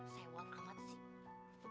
sewa amat sih